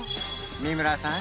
三村さん